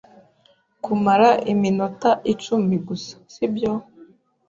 Kumara iminota icumi gusa, sibyo?